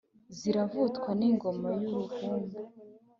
ziravutwa n' ingoma y' uruyumbu